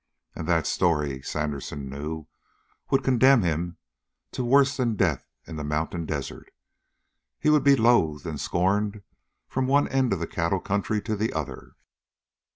And that story, Sandersen knew, would condemn him to worse than death in the mountain desert. He would be loathed and scorned from one end of the cattle country to the other.